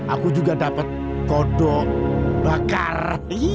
aku juga dapat kodok bakar